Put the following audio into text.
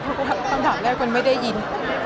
เพราะคำถามแรกมันไม่ได้ยิน